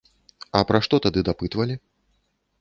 А пра што тады дапытвалі?